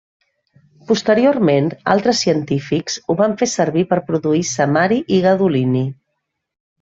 Posteriorment altres científics ho van fer servir per produir samari i gadolini.